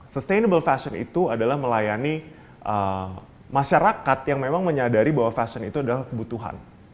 sustainable fashion itu adalah melayani masyarakat yang memang menyadari bahwa fashion itu adalah kebutuhan